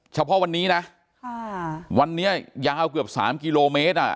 เฉพาะวันนี้นะวันนี้ยาวเกือบ๓กิโลเมตรอ่ะ